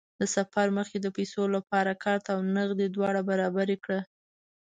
د سفر مخکې د پیسو لپاره کارت او نغدې دواړه برابرې کړه.